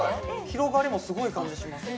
広がりもすごい感じします